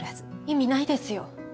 意味ないですよ